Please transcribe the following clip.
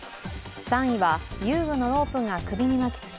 ３位は遊具のロープが首に巻きつき